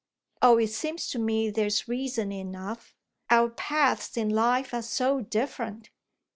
"Oh it seems to me there's reason enough: our paths in life are so different."